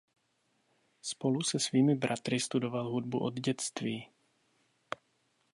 Spolu se svými bratry studoval hudbu od dětství.